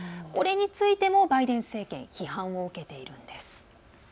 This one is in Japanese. これについてもバイデン政権批判を受けているんです。